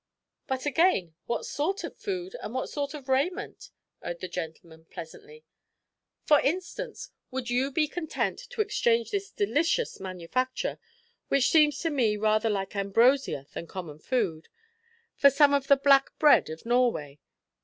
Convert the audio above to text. '" "But, again, what sort of food, and what sort of raiment?" urged the gentleman pleasantly. "For instance; would you be content to exchange this delicious manufacture, which seems to me rather like ambrosia than common food, for some of the black bread of Norway?